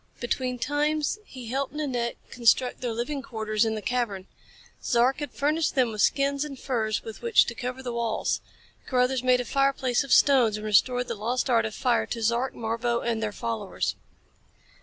Between times he helped Nanette construct their living quarters in the cavern. Zark had furnished them with skins and furs with which to cover the walls. Carruthers made a fireplace of stones and restored the lost art of fire to Zark, Marbo and their followers.